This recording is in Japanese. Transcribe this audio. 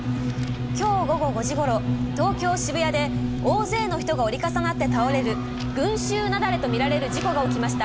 今日午後５時ごろ東京・渋谷で大勢の人が折り重なって倒れる群衆雪崩と見られる事故が起きました。